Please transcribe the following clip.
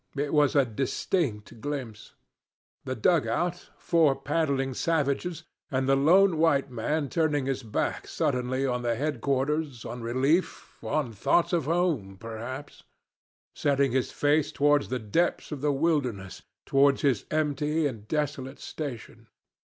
It was a distinct glimpse: the dug out, four paddling savages, and the lone white man turning his back suddenly on the headquarters, on relief, on thoughts of home perhaps; setting his face towards the depths of the wilderness, towards his empty and desolate station.